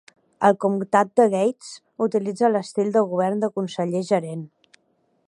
El comtat de Gates utilitza l'estil de govern de Conseller-Gerent.